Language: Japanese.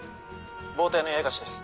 暴対の八重樫です。